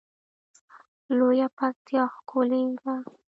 لویه پکتیا ښکلی ده